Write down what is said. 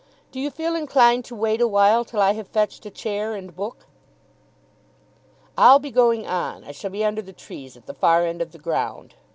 Do you feel inclined to wait awhile till I have fetched a chair and book?" "I'll be going on. I shall be under the trees at the far end of the ground."